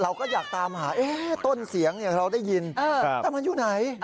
เราก็อยากตามหาต้นเสียงเราได้ยินแต่มันอยู่ไหน